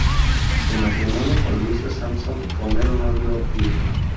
Su matrimonio con Luisa Sampson Romero no dio hijos.